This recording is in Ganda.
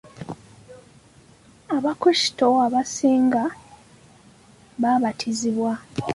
Abakrisito abasinga baabatizibwa.